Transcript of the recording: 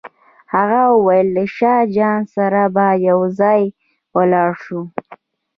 هغه وویل له شاه جان سره به یو ځای ولاړ شو.